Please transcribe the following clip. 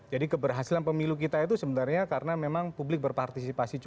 jadi keberhasilan pemilu kita itu sebenarnya karena memang publik berpartisipasi